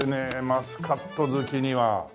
マスカット好きには。